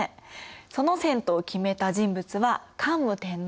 その遷都を決めた人物は桓武天皇。